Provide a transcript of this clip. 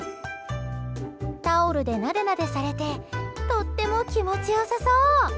タオルでなでなでされてとっても気持ち良さそう！